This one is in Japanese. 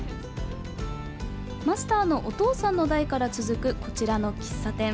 マスターのお父さんの代から続くこちらの喫茶店。